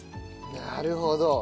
なるほど。